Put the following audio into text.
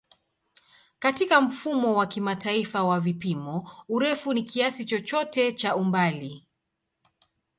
Katika Mfumo wa Kimataifa wa Vipimo, urefu ni kiasi chochote cha umbali.